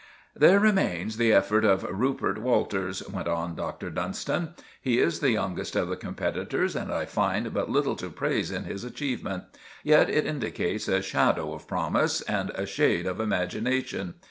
"There remains the effort of Rupert Walters," went on Dr. Dunstan. "He is the youngest of the competitors, and I find but little to praise in his achievement; yet it indicates a shadow of promise and a shade of imagination.